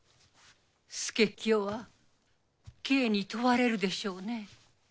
佐清は刑に問われるでしょうね。